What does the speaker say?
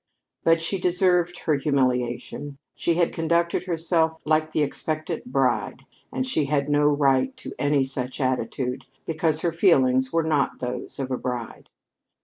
But she deserved her humiliation. She had conducted herself like the expectant bride, and she had no right to any such attitude because her feelings were not those of a bride.